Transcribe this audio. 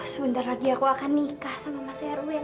sebentar lagi aku akan nikah sama mas erwin